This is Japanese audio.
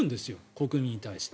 国民に対して。